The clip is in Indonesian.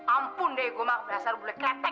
ampun deh gue mah asal boleh kletek